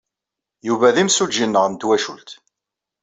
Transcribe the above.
Yuba d imsujji-nneɣ n twacult.